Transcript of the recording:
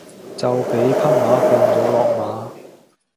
就畀匹馬揈咗落馬